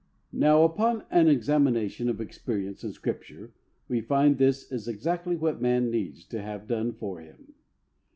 Now upon an examination of experience and Scripture, we find this is exactly what man needs to have done for him.